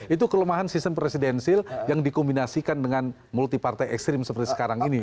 itu kelemahan sistem presidensil yang dikombinasikan dengan multi partai ekstrim seperti sekarang ini